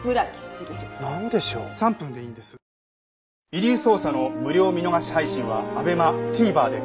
『遺留捜査』の無料見逃し配信はＡＢＥＭＡＴＶｅｒで。